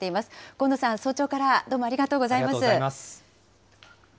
河野さん、早朝からどうもありがとうございます。